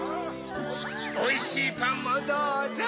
おいしいパンもどうぞ。